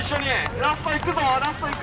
ラスト行くぞ！